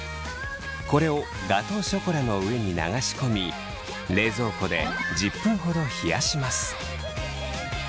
これをガトーショコラの上に流し込み冷蔵庫で１０分ほど冷やします。